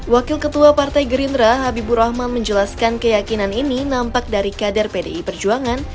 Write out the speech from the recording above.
wakil ketua partai gerindra habibur rahman menjelaskan keyakinan ini nampak dari kader pdi perjuangan